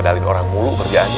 hadalin orang mulu kerjaannya